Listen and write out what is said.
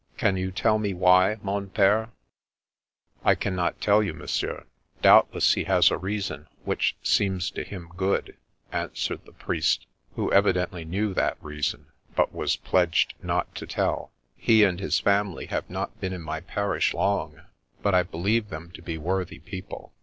Can you tell me why, mon pire? "I cannot tell you, Monsieur. Doubtless he has a reason which seems to him good," answered the priest, who evidently knew that reason, but was pledged not to tell. " He and his family have not been in my parish long, but I believe them to be worthy people.